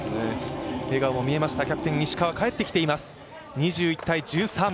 笑顔も見えました、キャプテン・石川帰ってきています。